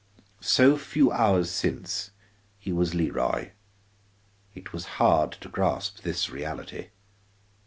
So few hours since, he was Leroy; it was hard to grasp this reality.